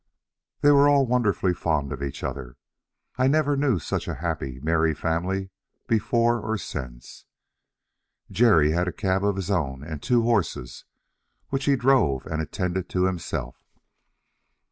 They were all wonderfully fond of each other; I never knew such a happy, merry family before or since. Jerry had a cab of his own, and two horses, which he drove and attended to himself.